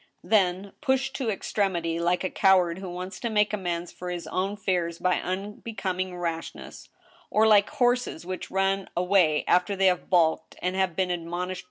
Then, pushed to extremity, like a coward who wants to make amends for his own fear by unbecoming rashness, or like horses which run away after they have balked, and have been admonished 196 THE STEEL HAMMER.